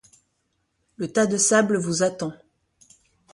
Le tas de sable vous attend